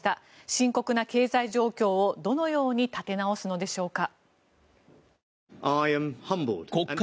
深刻な経済状況をどのように立て直すのでしょうか。